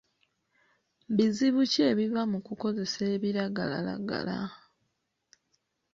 Bizibu ki ebiva mu kukozesa ebiragalalagala?